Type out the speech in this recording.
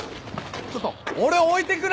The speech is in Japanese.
ちょっと俺を置いてくな！